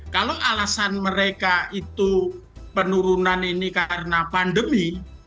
kalau alasan mereka itu penurunan ini karena pandemi